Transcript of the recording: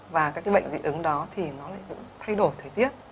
và các bệnh dị ứng đó thì nó lại thay đổi thời tiết